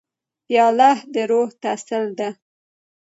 پیاله د روح تسل ده.